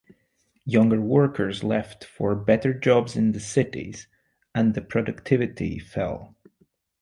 Younger workers left for better jobs in the cities and productivity fell.